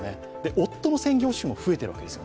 夫が専業主夫というのも増えているわけです。